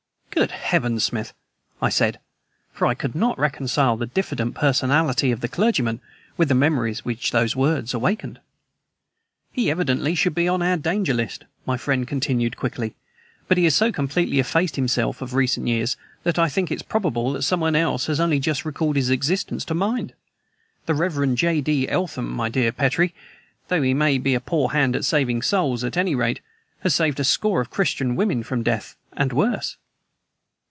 "Good heavens, Smith!" I said; for I could not reconcile the diffident personality of the clergyman with the memories which those words awakened. "He evidently should be on our danger list," my friend continued quickly; "but he has so completely effaced himself of recent years that I think it probable that someone else has only just recalled his existence to mind. The Rev. J. D. Eltham, my dear Petrie, though he may be a poor hand at saving souls, at any rate, has saved a score of Christian women from death and worse."